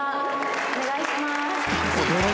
お願いします。